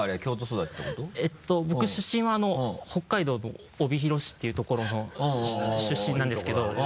僕出身は北海道の帯広市っていうところの出身なんですけど。